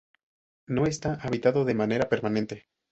No está habitado de manera permanente.